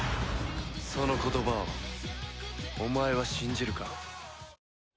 その言葉をお前は信じるか？